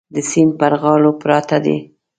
د سیند پر غاړو پراته دي.